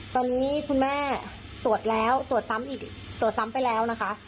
ตอนนี้คุณแม่ตรวจซ้ำไปแล้วนะคะ